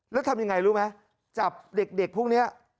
แล้วทำยังไงรู้ไหมจับเด็กพวกนี้